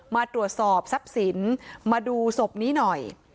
มาตรวจสอบทรัพย์สินมาดูศพนี้หน่อย